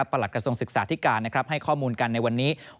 หลักกระทรวงศึกษาธิการให้ข้อมูลกันในวันนี้